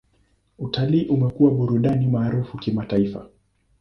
Utalii umekuwa burudani maarufu kimataifa.